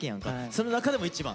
その中でも１番？